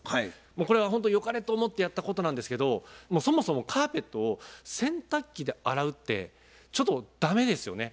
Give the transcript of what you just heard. これはほんとよかれと思ってやったことなんですけどそもそもカーペットを洗濯機で洗うってちょっと駄目ですよね。